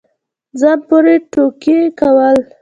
ځان پورې ټوقې كول